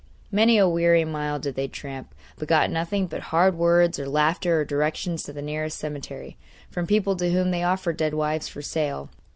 Many a weary mile did they tramp, but got nothing but hard words or laughter, or directions to the nearest cemetery, from people to whom they offered dead wives for sale.